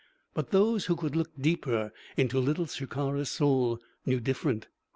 But those who could look deeper into Little Shikara's soul knew different.